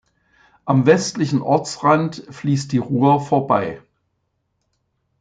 Am westlichen Ortsrand fließt die Rur vorbei.